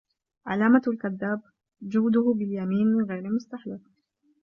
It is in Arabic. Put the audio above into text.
علامة الكذاب جوده باليمين من غير مستحلف